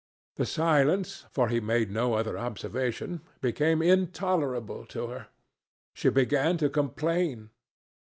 The silence, for he made no other observation, became intolerable to her. She began to complain.